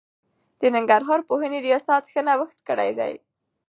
د ننګرهار پوهنې رياست ښه نوښت کړی دی.